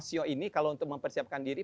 sio ini kalau untuk mempersiapkan diri